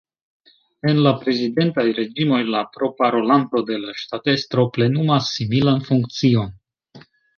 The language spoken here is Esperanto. En la prezidentaj reĝimoj, la proparolanto de la ŝtatestro plenumas similan funkcion.